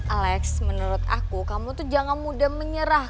alex menurut aku kamu tuh jangan mudah menyerah